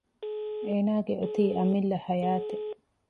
އޭނާގެ އޮތީ އަމިއްލަ ޙަޔާތެއް